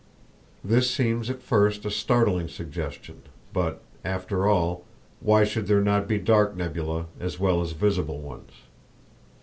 This seems at first a startling suggestion; but, after all, why should their not be dark nebulæ as well as visible ones?